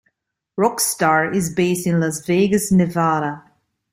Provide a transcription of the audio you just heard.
Rockstar is based in Las Vegas, Nevada.